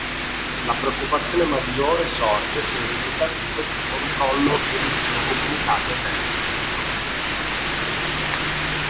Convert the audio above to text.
La preoccupazione maggiore sorge se i risultati di questo controllo venissero comunicati a terzi per i propri fini.